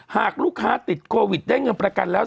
หากลูกค้าติดโควิดได้เงินประกันแล้ว